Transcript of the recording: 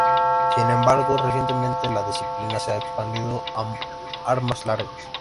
Sin embargo, recientemente la disciplina se ha expandido a armas largas.